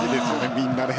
みんなね。